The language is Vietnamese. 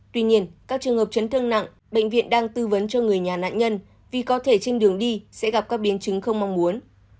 tuy nhiên các trường hợp chấn thương nặng bệnh viện đang tư vấn cho người nhà nạn nhân vì có thể trên đường đi sẽ gặp các biến chứng không mong muốn